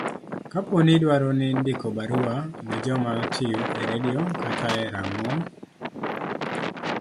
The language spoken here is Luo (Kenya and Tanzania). Kapo ni idwaro ndiko barua ne joma tiyo e redio kata e rang'ong